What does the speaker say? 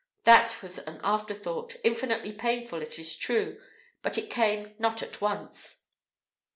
That was an after thought, infinitely painful, it is true, but it came not at once.